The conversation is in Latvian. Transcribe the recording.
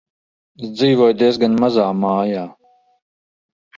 Es dzīvoju diezgan mazā mājā.